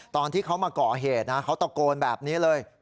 ตอนที่เขามาก่อเหตุนะเขาตะโกนแบบนี้เลย